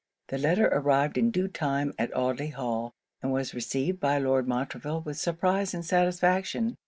The letter arrived in due time at Audley Hall; and was received by Lord Montreville with surprise and satisfaction.